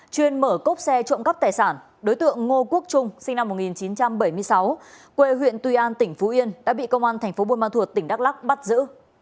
chuyên mở cốp xe trộm cắp tài sản đối tượng ngô quốc trung sinh năm một nghìn chín trăm bảy mươi sáu quê huyện tuy an tỉnh phú yên đã bị công an thành phố buôn ma thuột tỉnh đắk lắc bắt giữ